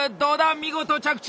見事着地！